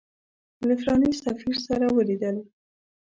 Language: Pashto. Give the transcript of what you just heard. له فلاني سفیر سره ولیدل.